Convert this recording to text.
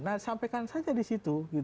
nah sampaikan saja di situ